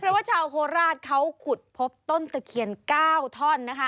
เพราะว่าชาวโคราชเขาขุดพบต้นตะเคียน๙ท่อนนะคะ